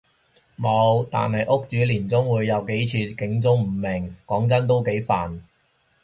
無，但係屋主年中會有幾次警鐘誤鳴，講真都幾煩